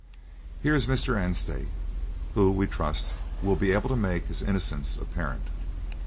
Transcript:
Here is Mr. Anstey, who, we trust, will be able to make his innocence apparent."